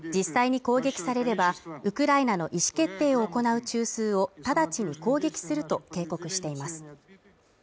実際に攻撃されれば、ウクライナの意思決定を行う中枢を直ちに攻撃すると警告しています。